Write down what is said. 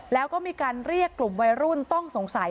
แล้วก็มีการเรียกกลุ่มวัยรุ่นต้องสงสัย